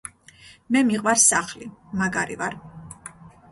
მე მიყვარს სახლი მაგარი ვარ